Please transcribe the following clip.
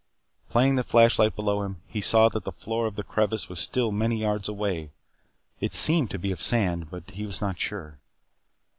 Playing the flashlight below him, he saw that the floor of the crevice was still many yards away. It seemed to be of sand, but he was not sure.